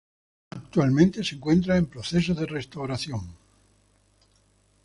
Actualmente se encuentra en proceso de restauración.